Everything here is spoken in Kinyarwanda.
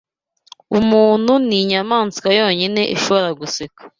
Umuntu ninyamaswa yonyine ishobora guseka.